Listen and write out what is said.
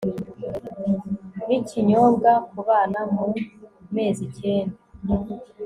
n'ikinyobwa ku bana mu mezi icyenda